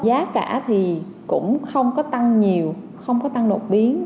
giá cả thì cũng không có tăng nhiều không có tăng đột biến